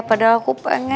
padahal aku pengen